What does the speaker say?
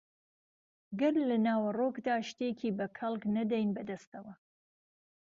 گەر لە ناوەڕۆکدا شتێکی بە کەڵک نەدەین بەدەستەوە